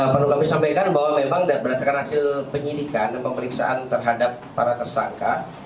perlu kami sampaikan bahwa memang berdasarkan hasil penyidikan dan pemeriksaan terhadap para tersangka